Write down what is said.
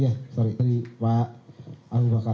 ya maaf pak alubakar